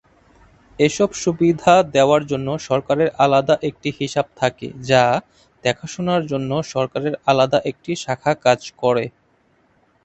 এসব সুবিধা দেয়ার জন্য সরকারের আলাদা একটি হিসাব থাকে যা দেখাশোনার জন্য সরকারের আলাদা একটি শাখা কাজ করে।